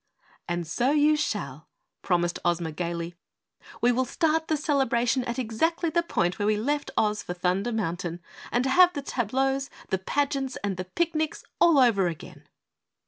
"And so you shall," promised Ozma gaily, "we will start the celebration at exactly the point where we left Oz for Thunder Mountain, and have the tableaux, the pageants, and the picnics all over again."